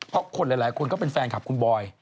เพราะคนหลายคนก็เป็นแฟนคลับคุณบอย